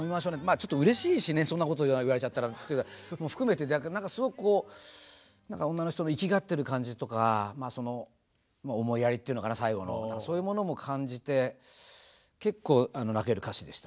ちょっとうれしいしねそんなこと言われちゃったらっていうのも含めてすごく女の人のいきがってる感じとか思いやりっていうのかな最後のそういうものも感じて結構泣ける歌詞でした。